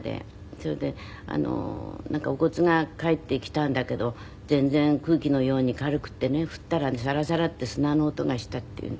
それでお骨が返ってきたんだけど全然空気のように軽くてね振ったらサラサラって砂の音がしたっていうね。